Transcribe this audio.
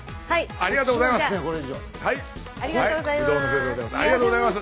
ありがとうございます。